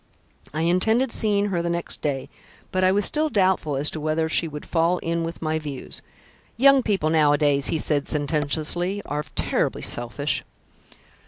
I intended seeing her the next day, but I was still doubtful as to whether she would fall in with my views. Young people nowadays," he said sententiously, "are terribly selfish."